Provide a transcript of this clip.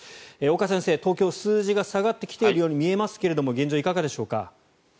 岡先生、東京数字が下がってきているように見えますが現状、いかがでしょうか？